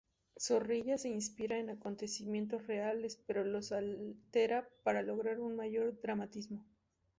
Zorrilla se inspira en acontecimientos reales pero los altera para lograr un mayor dramatismo.